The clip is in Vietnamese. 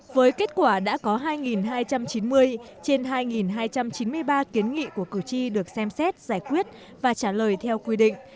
với kết quả đã có hai hai trăm chín mươi trên hai hai trăm chín mươi ba kiến nghị của cử tri được xem xét giải quyết và trả lời theo quy định